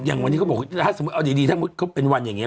อย่างวันนี้เขาบอกถ้าสมมุติเอาดีถ้าเป็นวันอย่างนี้